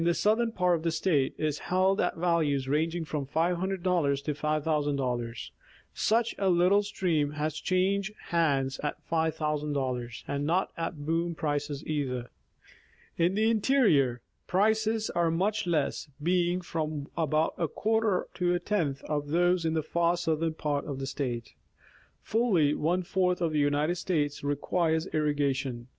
southern part of the State, is held at values ranging from |500 to $5000. Such a little stream has changed hands at 15000, and not at boom prices either. In the interior prices are much less, being from about a quarter to a tenth of those in the far southern part of the State. Fully one fourth of the United States requires irrigation.